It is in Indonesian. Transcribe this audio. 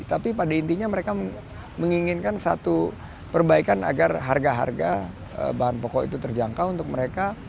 tapi pada intinya mereka menginginkan satu perbaikan agar harga harga bahan pokok itu terjangkau untuk mereka